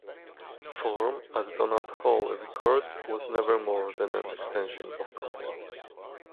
'Form', as Donald Hall records 'was never more than an extension of content'.